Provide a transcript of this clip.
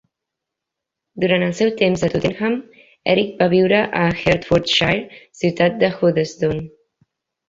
Durant el seu temps a Tottenham Erik va viure a Hertfordshire ciutat de Hoddesdon.